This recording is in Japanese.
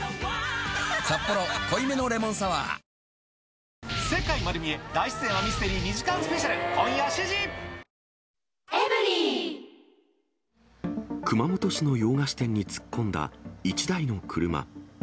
「サッポロ濃いめのレモンサワー」熊本市の洋菓子店に突っ込んだ１台の車。